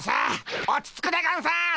落ち着くでゴンス。